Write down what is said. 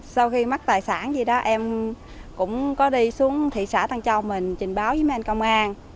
sau khi mắc tài sản gì đó em cũng có đi xuống thị xã tăng châu mình trình báo với mấy anh công an